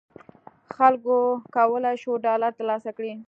خلکو کولای شول ډالر تر لاسه کړي.